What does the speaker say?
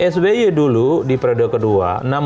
sby dulu di periode kedua